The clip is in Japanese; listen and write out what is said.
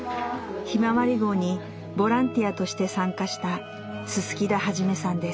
ひまわり号にボランティアとして参加した薄田一さんです。